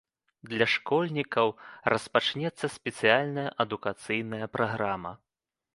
Для школьнікаў распачнецца спецыяльная адукацыйная праграма.